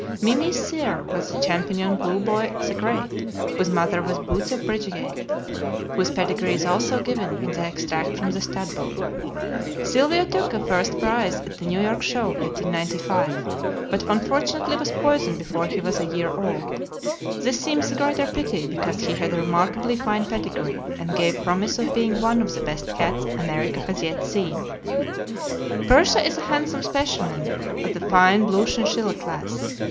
"Mimi's" sire was the champion Blue Boy the Great, whose mother was Boots of Bridgeyate, whose pedigree is also given in the extract from the stud book. Sylvio took a first prize at the New York Show, 1895, but unfortunately was poisoned before he was a year old. This seems the greater pity, because he had a remarkably fine pedigree, and gave promise of being one of the best cats America has yet seen. Persia is a handsome specimen of the fine blue chinchilla class.